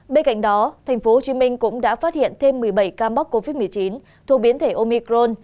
bên cạnh đó tp hcm cũng đã phát hiện thêm một mươi bảy ca mắc covid một mươi chín thuộc biến thể omicron